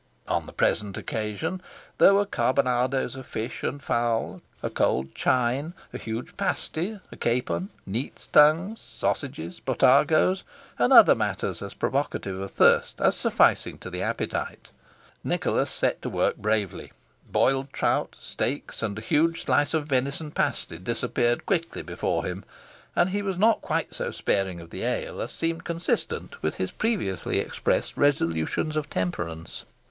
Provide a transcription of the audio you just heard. On the present occasion, there were carbonadoes of fish and fowl, a cold chine, a huge pasty, a capon, neat's tongues, sausages, botargos, and other matters as provocative of thirst as sufficing to the appetite. Nicholas set to work bravely. Broiled trout, steaks, and a huge slice of venison pasty, disappeared quickly before him, and he was not quite so sparing of the ale as seemed consistent with his previously expressed resolutions of temperance.